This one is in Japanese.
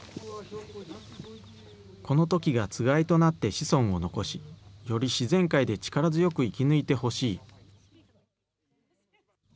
このトキがつがいとなって子孫を残し、より自然界で力強く生き抜いてほしい。